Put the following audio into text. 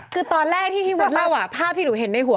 คือตอนแรกที่พี่มดเล่าภาพที่หนูเห็นในหัว